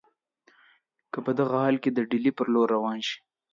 که په دغه حال کې ډهلي پر لور روان شي.